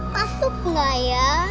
masuk nggak ya